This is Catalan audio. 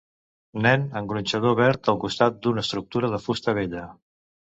Nen en gronxador verd al costat d'una estructura de fusta vella.